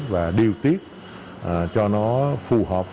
và điều tiết cho nó phù hợp